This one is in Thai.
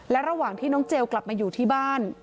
และระหว่างที่น้องเจลกลับมาอยู่ที่บ้าน